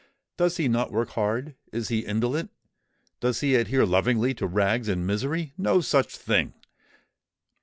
Does he not work hard? is he indolent? does he adhere lovingly to rags and misery? No such thing!